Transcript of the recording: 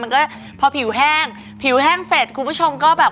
มันก็พอผิวแห้งผิวแห้งเสร็จคุณผู้ชมก็แบบ